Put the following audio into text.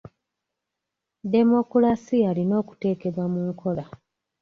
Demokolasiya alina okuteekebwa mu nkola.